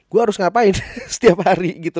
gue harus ngapain setiap hari gitu